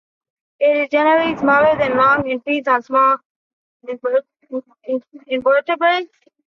It is generally smaller than long and feeds on small invertebrates.